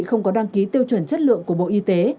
không có đăng ký tiêu chuẩn chất lượng của bộ y tế